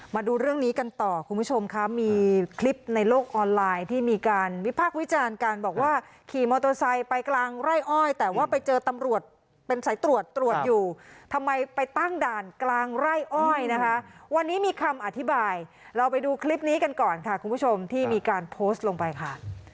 มาดูเรื่องนี้กันต่อคุณผู้ชมค่ะมีคลิปในโลกออนไลน์ที่มีการวิพากษ์วิจารณ์การบอกว่าขี่มอเตอร์ไซค์ไปกลางไร่อ้อยแต่ว่าไปเจอตำรวจเป็นสายตรวจตรวจอยู่ทำไมไปตั้งด่านกลางไร่อ้อยนะคะวันนี้มีคำอธิบายเราไปดูคลิปนี้กันก่อนค่ะคุณผู้ชมที่มีการโพสต์ลงไปค่ะ